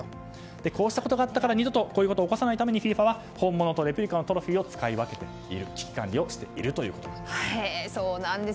こうしたことがあったから二度とこうしたことが起こさないように本物と偽物のトロフィーを使い分けている危機管理をしているということです。